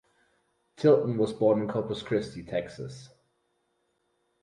Tilton was born in Corpus Christi, Texas.